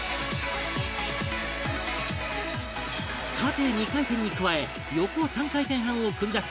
縦２回転に加え横３回転半を繰り出す